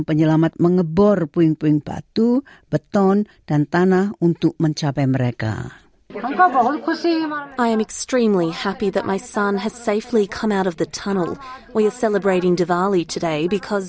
penyelamat mengebor puing puing batu beton dan tanah untuk mencapai mereka